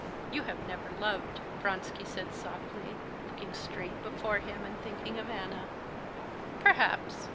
"You have never loved," Vronsky said softly, looking straight before him and thinking of Anna. "Perhaps.